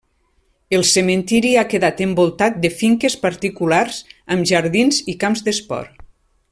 El cementiri ha quedat envoltat de finques particulars amb jardins i camps d'esport.